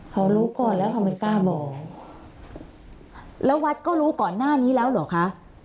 เขารู้ก่อนแล้วเขาไม่กล้าบอกแล้ววัดก็รู้ก่อนหน้านี้แล้วเหรอคะ